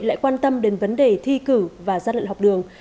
lại quan tâm đến vấn đề thi cử và gian lận học đường